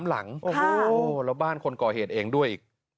แล้วบ้านคนก่อเหตุเองด้วย